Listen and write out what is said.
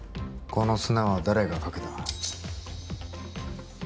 この砂は誰がかけた？